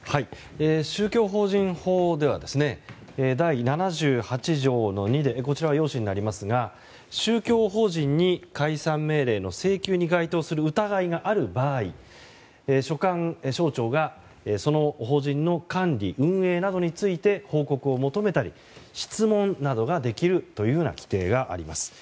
宗教法人法では第７８条の２でこちらは要旨になりますが宗教法人に、解散命令の請求に該当する疑いがある場合所管省庁がその法人の管理運営などについて報告を求めたり、質問などができるという規定があります。